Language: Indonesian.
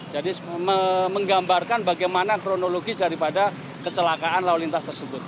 jadi menggambarkan bagaimana kronologis daripada kecelakaan lalu lintas tersebut